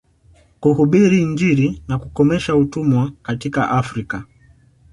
Kuhubiri injili na kukomesha utumwa katika Afrika